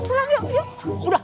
pulang yuk yuk